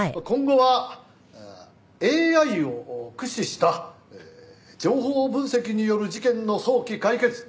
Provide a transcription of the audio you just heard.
今後はＡＩを駆使した情報分析による事件の早期解決